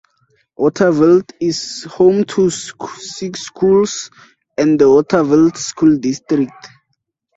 Watervliet is home to six schools and the Watervliet School District.